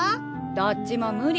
どっちも無理。